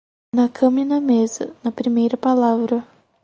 Na cama e na mesa, na primeira palavra.